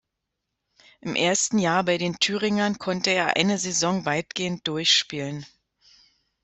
Im ersten Jahr bei den Thüringern konnte er eine Saison weitgehend durchspielen.